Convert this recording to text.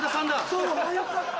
そうあぁよかった！